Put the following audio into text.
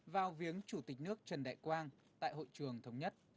vào viếng chủ tịch nước trần đại quang tại hội trường thống nhất